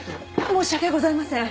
申し訳ございません。